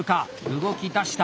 動きだした！